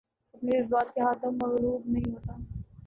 اپنے جذبات کے ہاتھوں مغلوب نہیں ہوتا